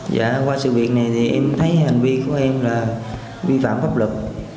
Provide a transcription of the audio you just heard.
dạ qua sự việc này thì em thấy hành vi của em là vi phạm pháp luật